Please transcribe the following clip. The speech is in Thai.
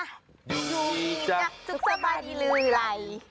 อยู่นี่จ้ะสุขสบายดีหรืออะไร